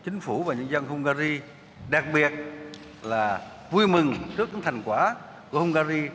chính phủ và nhân dân hungary đặc biệt là vui mừng chất thành quả của hungary